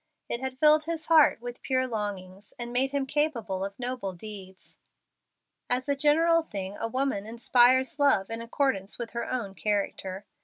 It had filled his heart with pure longings, and made him capable of noble deeds. As a general thing a woman inspires love in accordance with her own character.